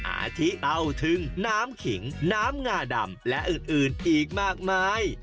อาทิเอาถึงน้ำขิงน้ำงาดำและอื่นอีกมากมาย